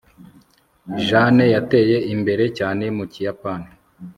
Jane yateye imbere cyane mu Kiyapani